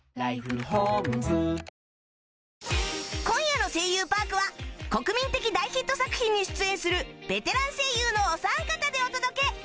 今夜の『声優パーク』は国民的大ヒット作品に出演するベテラン声優のお三方でお届け